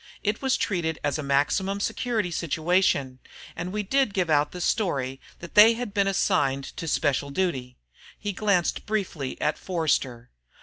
It was treated as a maximum security situation, and we did give out the story they had been assigned to special duty." He glanced briefly at Forster.